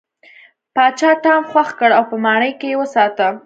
پاچا ټام خوښ کړ او په ماڼۍ کې یې وساته.